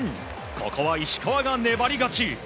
ここは石川が粘り勝ち！